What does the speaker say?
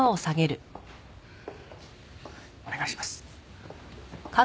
お願いします。